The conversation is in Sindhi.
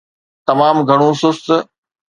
تمام گهڻو سست.